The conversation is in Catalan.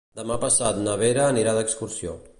Demà passat na Vera anirà d'excursió.